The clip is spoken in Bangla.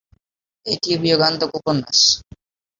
এটি বিয়োগান্তক উপন্যাস।